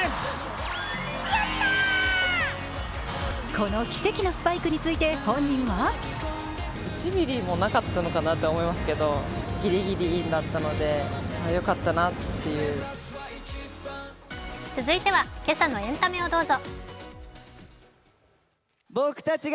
この奇跡のスパイクについて本人は続いては「けさのエンタメ」をどうぞ。